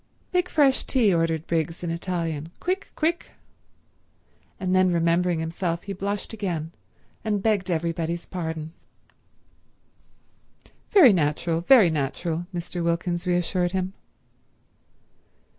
"Make fresh tea," ordered Briggs in Italian. "Quick—quick—" And then remembering himself he blushed again, and begged everybody's pardon. "Very natural, very natural," Mr. Wilkins reassured him.